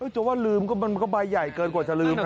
เจ้าว่าลืมก็ใบใหญ่เกินกว่าจะลืมค่ะ